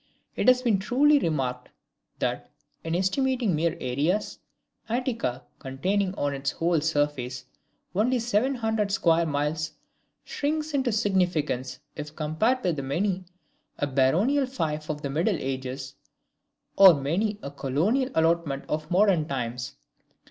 It has been truly remarked, that, in estimating mere areas, Attica, containing on its whole surface only seven hundred square miles, shrinks into insignificance if compared with many a baronial fief of the Middle Ages, or many a colonial allotment of modern times.